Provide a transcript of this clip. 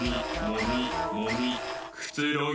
くつろぎ